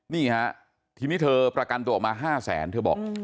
นี่ฮะทีนี้เธอประกันตัวออกมา๕แสนเธอบอก